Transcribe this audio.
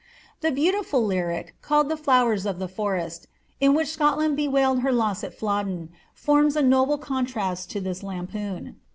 * The beautiful lyric, called the ^ Flowen uf the Forest,'^ in which Scotland bewailed her loss at Flodden, fonm % noble contrast to this lampoon.